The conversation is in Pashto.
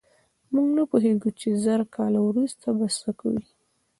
موږ نه پوهېږو، چې زر کاله وروسته به څه وي.